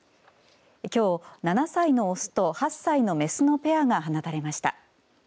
きょう７歳のオスと８歳のメスのペアが放たれました。